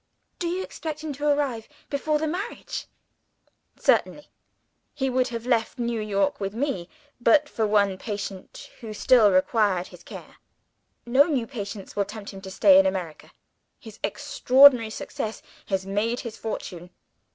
"Do you expect him to arrive before the marriage?" "Certainly! He would have left New York with me, but for one patient who still required his care. No new patients will tempt him to stay in America. His extraordinary success has made his fortune.